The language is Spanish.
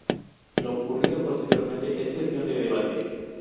Lo ocurrido posteriormente es cuestión de debate.